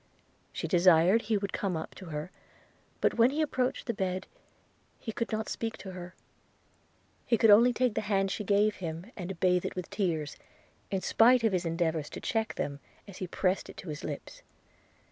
She desired he would come up to her; but when he approached the bed, he could not speak to her – he could only take the hand she gave him, and bathe it with tears, in spite of his endeavours to check them, as he pressed it to his lips.